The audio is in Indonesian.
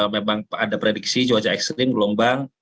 memang ada prediksi cuaca ekstrim gelombang